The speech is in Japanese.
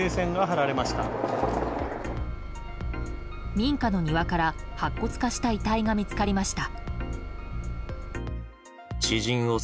民家の庭から白骨化した遺体が見つかりました。